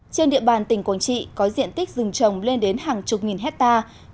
trên địa bàn tỉnh quảng trị có diện tích rừng trồng lên đến hàng chục nghìn hectare